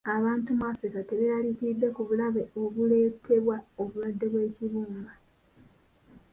Abantu mu Africa tebeeraliikiridde ku bulabe obuleetebwa obulwadde bw'ekibumba.